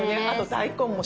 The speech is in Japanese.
大根も？